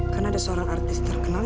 karena ada seorang artis terkenal